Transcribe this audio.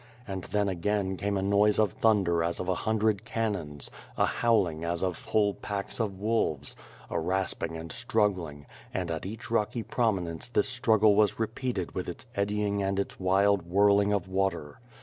And then again came a noise of thunder as of a hun dred cannons; a howling as of whole packs of wolves; a rasp ing and struggling; and at each rocky prominence this strug gle was repeated with its eddying and its wild whirling of water.